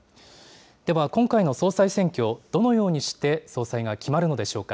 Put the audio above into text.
では今回の総裁選挙、どのようにして、総裁が決まるのでしょうか。